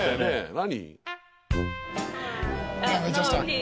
何？